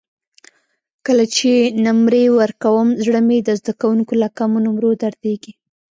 کله چې نمرې ورکوم زړه مې د زده کوونکو له کمو نمرو دردېږي.